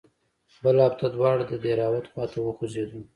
بله هفته دواړه د دهراوت خوا ته وخوځېدو.